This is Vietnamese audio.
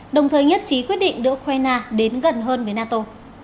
đồng thời nhất trí quyết định đưa ukraine đến gần hơn với nato